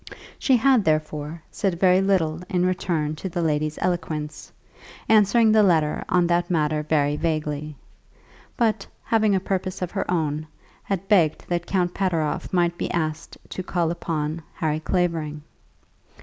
She had, therefore, said very little in return to the lady's eloquence, answering the letter on that matter very vaguely; but, having a purpose of her own, had begged that Count Pateroff might be asked to call upon Harry Clavering.